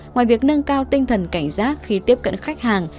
ngoài việc nâng cao tinh thần cảnh giác khi tiếp cận khách hàng